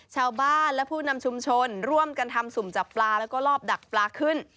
ชาวบ้านและผู้นำชุมชนร่วมกันทำสุ่มจับปลาแล้วก็รอบดักปลาขึ้น